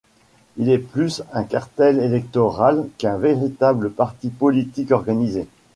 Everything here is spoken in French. Elle est plus un cartel électoral qu'un véritable parti politique organisé.